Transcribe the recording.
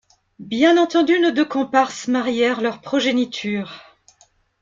Bien entendu, nos deux comparses marièrent leurs progénitures.